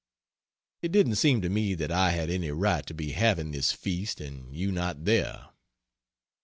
It didn't seem to me that I had any right to be having this feast and you not there.